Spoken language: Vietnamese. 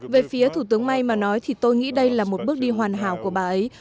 về phía thủ tướng may mà nói thì tôi nghĩ đây là một bước đi hoàn hảo của bà ấy